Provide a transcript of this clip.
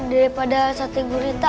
daripada sate gurita